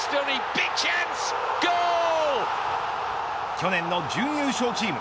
去年の準優勝チーム